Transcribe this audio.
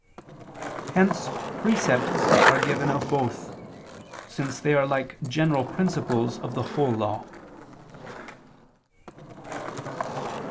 Hence precepts are given of both, since they are like general principles of the whole Law.